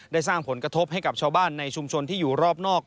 ได้สร้างผลกระทบให้กับชาวบ้านในชุมชนที่อยู่รอบนอก